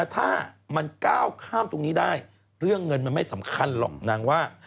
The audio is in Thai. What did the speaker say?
ถ้ามันก้าวข้ามตรงนี้ได้เรื่องเงินมันไม่สำคัญหรอกนางว่า